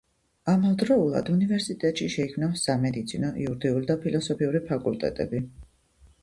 ამავდროულად უნივერსიტეტში შეიქმნა სამედიცინო, იურიდიული და ფილოსოფიური ფაკულტეტები.